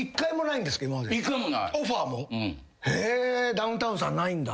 ダウンタウンさんないんだ。